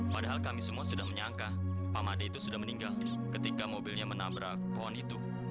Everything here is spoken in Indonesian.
padahal kami semua sudah menyangka pak made itu sudah meninggal ketika mobilnya menabrak pohon itu